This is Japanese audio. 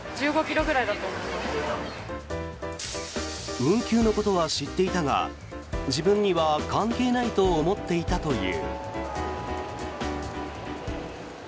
運休のことは知っていたが自分には関係ないと思っていたという。